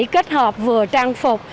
kết hợp vừa trang phục